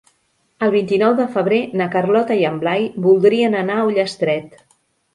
El vint-i-nou de febrer na Carlota i en Blai voldrien anar a Ullastret.